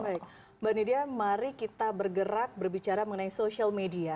baik mbak nidia mari kita bergerak berbicara mengenai social media